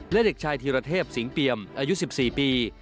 และเด็กชายธีรเทพสิงหเปี่ยมอายุ๑๔ปี